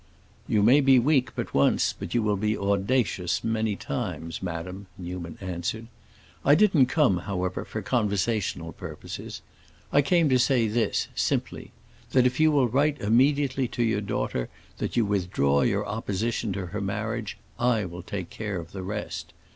"You may be weak but once, but you will be audacious many times, madam," Newman answered. "I didn't come however, for conversational purposes. I came to say this, simply: that if you will write immediately to your daughter that you withdraw your opposition to her marriage, I will take care of the rest.